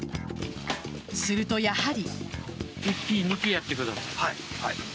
すると、やはり。